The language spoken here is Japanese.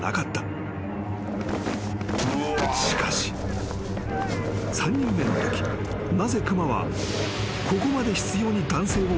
［しかし］［３人目のときなぜ熊はここまで執拗に男性を襲ったのだろうか？］